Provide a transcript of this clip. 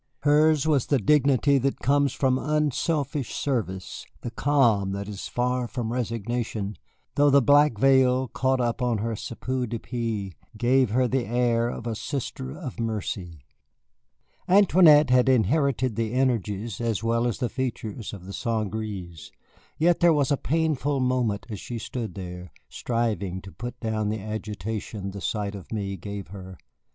Hers was the dignity that comes from unselfish service, the calm that is far from resignation, though the black veil caught up on her chapeau de paille gave her the air of a Sister of Mercy. Antoinette had inherited the energies as well as the features of the St. Gré's, yet there was a painful moment as she stood there, striving to put down the agitation the sight of me gave her.